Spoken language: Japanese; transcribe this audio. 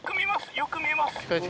よく見えます。